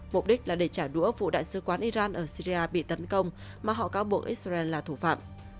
mục đích là để trả đũa vụ đại sứ quán iran ở syria bị tấn công mà họ cáo buộc israel là thủ phạm